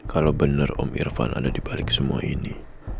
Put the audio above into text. kalau bener om irfan ada dibalik semua ini